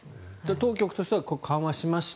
当局としては緩和しました